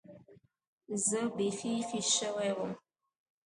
زه بيخي هېښ سوى وم.